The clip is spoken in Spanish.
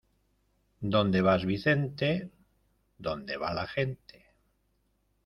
¿Dónde vas Vicente?, donde va la gente.